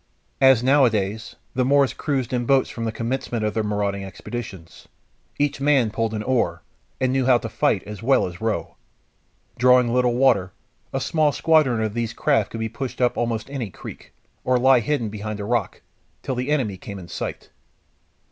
As nowadays, the Moors cruised in boats from the commencement of their marauding expeditions. Each man pulled an oar, and knew how to fight as well as row. Drawing little water, a small squadron of these craft could be pushed up almost any creek, or lie hidden behind a rock, till the enemy came in sight.